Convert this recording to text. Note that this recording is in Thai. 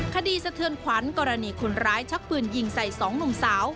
สะเทือนขวัญกรณีคนร้ายชักปืนยิงใส่สองหนุ่มสาว